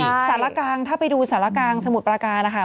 แล้วก็สารกางถ้าไปดูสารกางสมุดปราการนะคะ